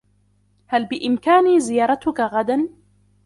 هل بإمكاني زيارتك غدا؟